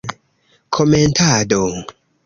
Komentado.